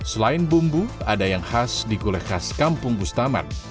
selain bumbu ada yang khas di gulai khas kampung bustaman